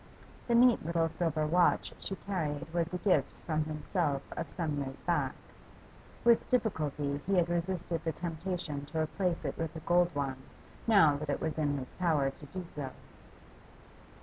The neat little silver watch she carried was a gift from himself of some years back; with difficulty he had resisted the temptation to replace it with a gold one now that it was in his power to do so.